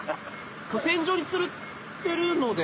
天井につるってるので？